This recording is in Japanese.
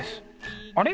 あれ？